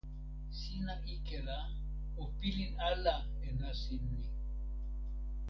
sina ike la, o pilin ala e nasin ni.